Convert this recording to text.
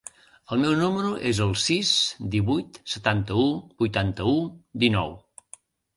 El meu número es el sis, divuit, setanta-u, vuitanta-u, dinou.